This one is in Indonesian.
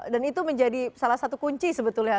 dan itu menjadi salah satu kunci sebetulnya